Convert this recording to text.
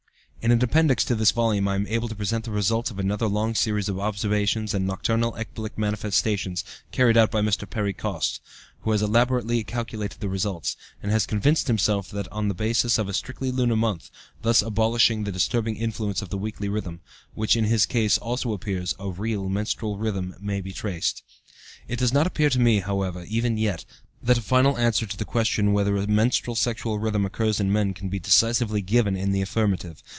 In an appendix to this volume I am able to present the results of another long series of observations of nocturnal ecbolic manifestations carried out by Mr. Perry Coste, who has elaborately calculated the results, and has convinced himself that on the basis of a strictly lunar month, thus abolishing the disturbing influence of the weekly rhythm, which in his case also appears, a real menstrual rhythm may be traced. It does not appear to me, however, even yet, that a final answer to the question whether a menstrual sexual rhythm occurs in men can be decisively given in the affirmative.